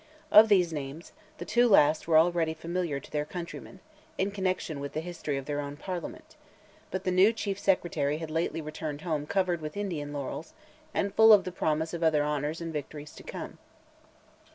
Of these names, the two last were already familiar to their countrymen, in connection with the history of their own Parliament; but the new Chief Secretary had lately returned home covered with Indian laurels, and full of the promise of other honours and victories to come.